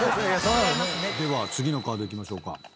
では次のカードいきましょうか。